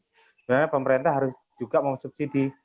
sebenarnya pemerintah harus juga memsubsidi